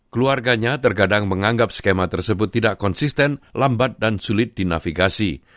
keluarganya terkadang menganggap skema tersebut tidak konsisten lambat dan sulit dinavigasi